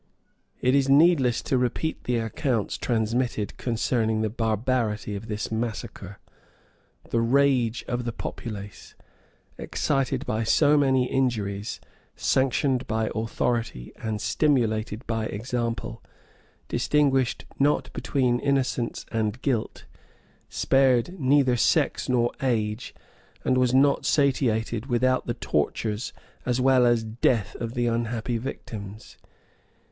It is needless to repeat the accounts transmitted concerning the barbarity of this massacre: the rage of the populace, excited by so many injuries, sanctioned by authority, and stimulated by example, distinguished not between innocence and guilt, spared neither sex nor age, and was not satiated without the tortures as well as death of the unhappy victims.